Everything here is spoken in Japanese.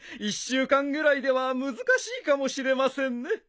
１週間ぐらいでは難しいかもしれませんね。